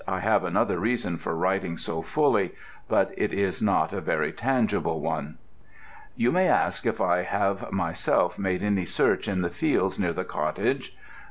I have another reason for writing so fully, but it is not a very tangible one. You may ask if I have myself made any search in the fields near the cottage.